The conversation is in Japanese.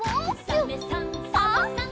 「サメさんサバさん」